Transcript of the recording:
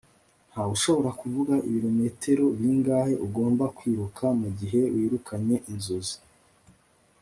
ntawushobora kuvuga ibirometero bingahe ugomba kwiruka mugihe wirukanye inzozi